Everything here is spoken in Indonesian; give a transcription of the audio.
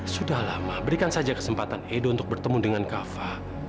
sudah lama berikan saja kesempatan edo untuk bertemu dengan kava